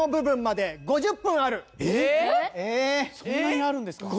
そんなにあるんですか。